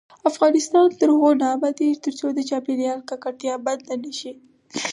افغانستان تر هغو نه ابادیږي، ترڅو د چاپیریال ککړتیا بنده نشي.